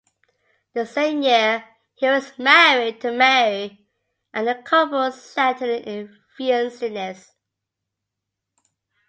The same year, he was married to Mary and the couple settled in Vincennes.